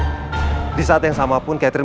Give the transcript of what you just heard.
suni dapat berjaya terpenuhi oleh kandung dan bangsa